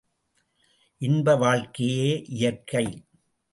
இன்ப வாழ்க்கையே இயற்கை.